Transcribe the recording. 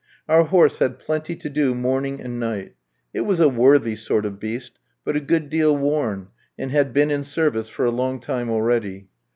Our horse had plenty to do morning and night; it was a worthy sort of beast, but a good deal worn, and had been in service for a long time already.